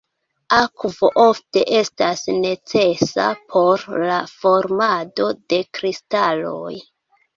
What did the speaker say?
Akvo ofte estas necesa por la formado de kristaloj.